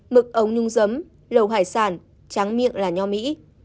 mực ống nhung giấm lầu hải sản tráng miệng là nho mỹ